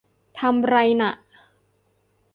ทำไรน่ะ